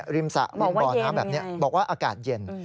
สระร่องบ่อน้ำแบบนี้บอกว่าอากาศเย็น